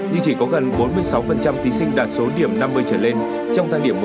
nhưng chỉ có gần bốn mươi sáu thí sinh đạt số điểm năm mươi trở lên trong tháng điểm một trăm linh